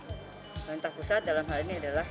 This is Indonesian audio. pemerintah pusat dalam hal ini adalah